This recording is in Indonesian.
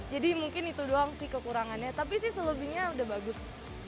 mungkin itu doang sih kekurangannya tapi sih selebihnya udah bagus